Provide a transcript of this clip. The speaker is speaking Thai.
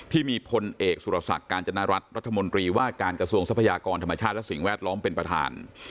ที่มีพลเอกสุรศักดิ์การจนรัฐรัฐมนตรีว่าการกระทรวงทรัพยากรธรรมชาติและสิ่งแวดล้อมเป็นประธาน